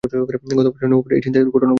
গত বছরের নভেম্বরে এই ছিনতাইয়ের ঘটনা ঘটেছিল।